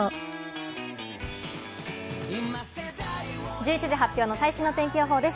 １１時発表の最新の天気予報です。